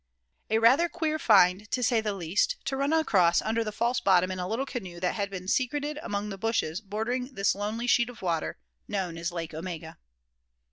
A rather queer find, to say the least, to run across under the false bottom in a little canoe that had been secreted among the bushes bordering this lonely sheet of water known as Lake Omega!